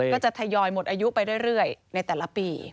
ก็จะทยอยหมดอายุไปเรื่อยในแต่ละปี